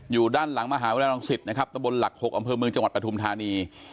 อยู่ด้านหลังมหาวิทยาลังศิษย์นะครับตะบนหลัก๖อำเภอเมืองจังหวัดปฐุมธานี